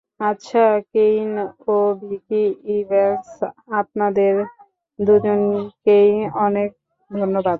আচ্ছা, কেইন ও Vicky Evans, আপনাদের দুজনকেই অনেক ধন্যবাদ।